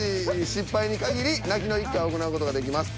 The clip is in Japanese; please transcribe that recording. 失敗に限り泣きの１回を行う事ができます。